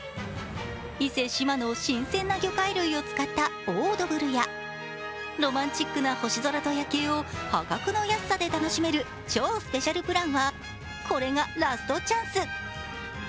伊勢志摩の新鮮な魚介類を使ったオードブルやロマンチックな星空と夜景を破格の安さで楽しめる超スペシャルプランはこれがラストチャンス。